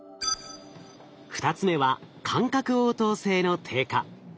２つ目は感覚応答性の低下。